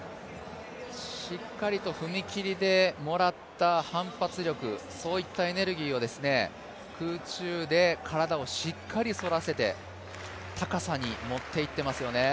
しっかりと踏み切りでもらった反発力、エネルギーを空中で体をしっかり反らせて高さに持っていっていますよね。